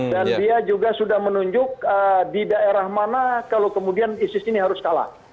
dan dia juga sudah menunjuk di daerah mana kalau kemudian isis ini harus kalah